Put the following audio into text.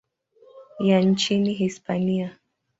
ya nchini Hispania.